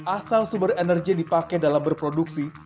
asal sumber energi yang dipakai dalam berproduksi